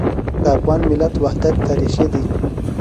د افغان ملت وحدت تاریخي دی.